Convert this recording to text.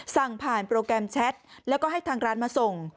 สั่งผ่านโปรแกรมแชทแล้วก็ให้ทางร้านมาส่ง